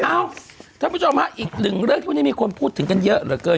เอ้าท่านผู้ชมฮะอีกหนึ่งเรื่องที่วันนี้มีคนพูดถึงกันเยอะเหลือเกิน